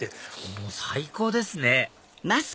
もう最高ですね！